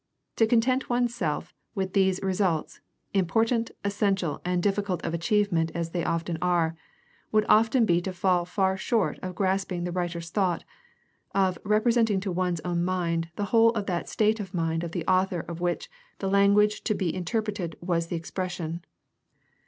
To content one's self with these re sults, important, essential, and difficult of achievement as they often are, would often be to fall far short of grasping the writer's thought, of "representing to one's own mind the whole of that state of mind of the author of which the language to be 214 GUIDE TO STUDY OF CHRISTIAN RELIGION interpreted was the expression."